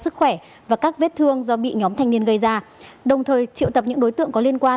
thành niên gây ra đồng thời triệu tập những đối tượng có liên quan